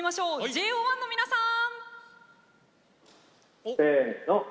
ＪＯ１の皆さん！